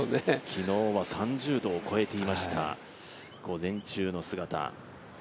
昨日は３０度を超えていました、午前中の姿。